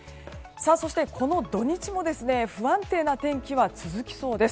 この土日も不安定な天気は続きそうです。